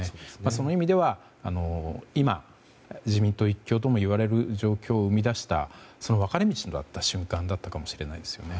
その意味では今、自民党一強ともいわれる状況を生み出した分かれ道となった瞬間かもしれないですね。